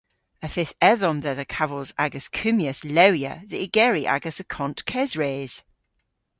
Y fydh edhom dhedha kavos a'gas kummyas lewya dhe ygeri agas akont kesres.